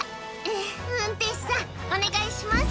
「運転士さんお願いします」